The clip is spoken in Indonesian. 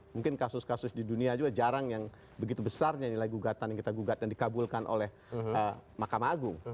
mungkin kasus kasus di dunia juga jarang yang begitu besarnya nilai gugatan yang kita gugat dan dikabulkan oleh mahkamah agung